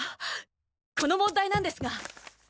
この問題なんですが。